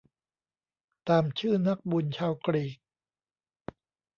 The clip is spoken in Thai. ตามชื่อนักบุญชาวกรีก